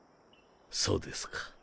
そうですか。